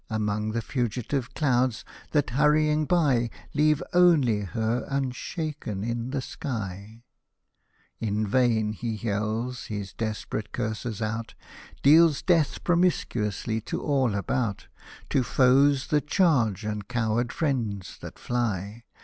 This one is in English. Among the fugitive clouds that, hurrying by. Leave only her unshaken in the sky — In vain he yells his desperate curses out, Deals death promiscuously to all about. To foes that charge and coward friends that fly.